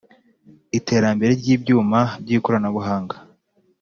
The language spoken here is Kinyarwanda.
Iterambere ry ibyuma by ikoranabuhanga